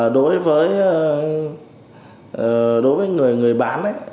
đối với người bán